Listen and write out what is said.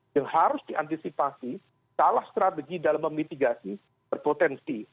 yang harus diantisipasi salah strategi dalam memitigasi berpotensi